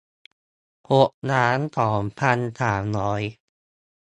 หกล้านสองพันสามร้อย